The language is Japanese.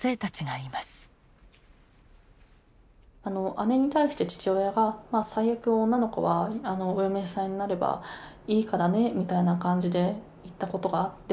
姉に対して父親が「最悪女の子はお嫁さんになればいいからね」みたいな感じで言ったことがあって。